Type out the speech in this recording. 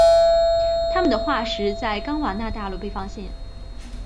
它们的化石在冈瓦纳大陆被发现。